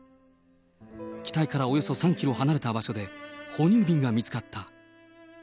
機体からおよそ３キロ離れた場所で、哺乳瓶が見つかった。